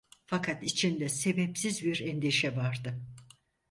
Fakat içimde sebepsiz bir endişe vardı.